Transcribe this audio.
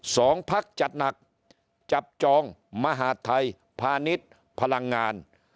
สองพักจัดหนักจับจองมหาดไทยพาณิชย์พลังงาน